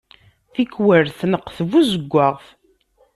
Tikkwal tneqq tbuzeggaɣt.